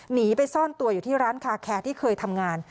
หนีไปซ่อนตัวอยู่ที่ร้านคาแคร์ที่เคยทำงาน